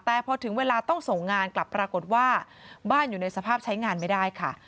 แต่พอถึงเวลาต้องส่งงานกลับปรากฏว่าบ้านอยู่ในสภาพใช้งานไม่ได้ค่ะ